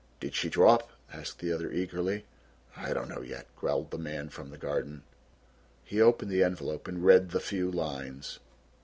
"Did she drop?" asked the other eagerly. "I don't know yet," growled the man from the garden. He opened the envelope and read the few lines.